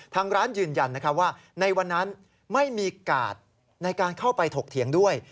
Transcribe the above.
ทางร้านยืนยันว่าในวันนั้นไม่มีกาดในการเข้าไปถกเถียงด้วย